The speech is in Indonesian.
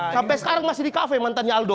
sampe sekarang masih di cafe mantannya aldo